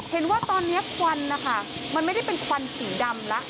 เห็นว่าตอนนี้ควันนะคะมันไม่ได้เป็นควันสีดำแล้ว